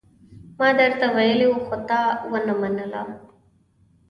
ما درته ويلي وو، خو تا ونه منله.